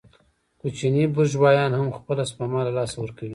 کوچني بورژوایان هم خپله سپما له لاسه ورکوي